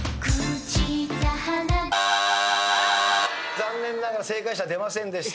残念ながら正解者出ませんでした。